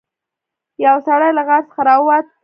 یو سړی له غار څخه راووت.